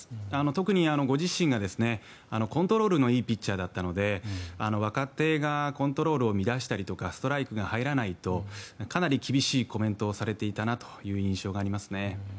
特にご自身がコントロールのいいピッチャーだったので若手がコントロールを乱したりとかストライクが入らないとかなり厳しいコメントをされていたなという印象がありますね。